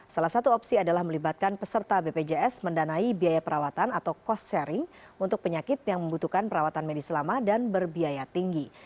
salah satu opsi adalah melibatkan peserta bpjs mendanai biaya perawatan atau cost sharing untuk penyakit yang membutuhkan perawatan medis lama dan berbiaya tinggi